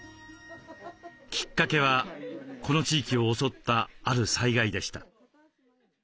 きっかけはこの地域を襲ったある災害でした。